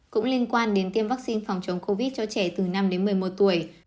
cũng liên quan đến tiêm vaccine phòng chống covid cho trẻ từ năm đến một mươi một tuổi